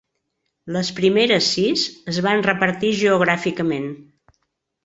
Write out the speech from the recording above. Les primeres sis es van repartir geogràficament.